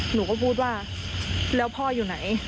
หนูก็พูดว่าแล้วพ่ออยู่ไหน